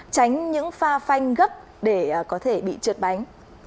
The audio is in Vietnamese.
tránh những pha phanh gấp để có thể bị trượt bánh